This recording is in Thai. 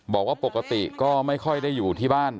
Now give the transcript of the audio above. บอกว่าปกติก็ไม่ค่อยได้อยู่ที่บ้าน